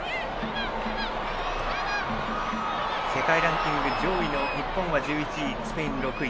世界ランキングで日本は１１位でスペイン６位。